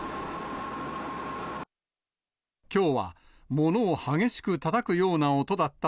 物を激しくたたくような音だった。